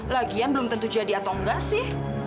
lagian belum tentu jadi atau enggak sih